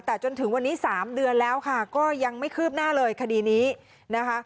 แต่จนถึงวันนี้๓เดือนแล้วค่ะก็ยังไม่คืบหน้าเลยคดีนี้นะคะ